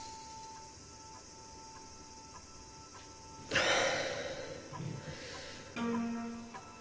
はあ。